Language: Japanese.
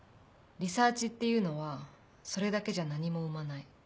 リサーチっていうのはそれだけじゃ何も生まない。